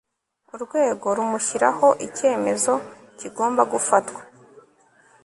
urwego rumushyiraho Icyemezo kigomba gufatwa